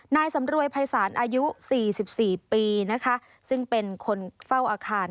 นายสำรวยภัยศาลอายุ๔๔ปีนะคะซึ่งเป็นคนเฝ้าอาคาร